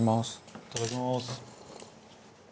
いただきまーす。